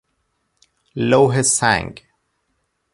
لوح سنگ